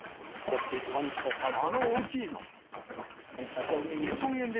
あの大きいの。